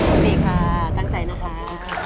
ขอบคุณค่ะตั้งใจนะครับ